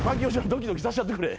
ドキドキさしたってくれ。